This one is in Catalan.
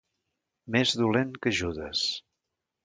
Més dolent que Judes.